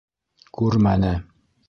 Күрмәне...